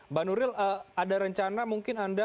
mbak nuril ada rencana mungkin anda